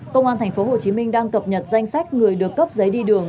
công an tp hcm đang cập nhật danh sách người được cấp giấy đi đường